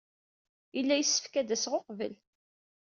Yella yessefk ad d-aseɣ uqbel.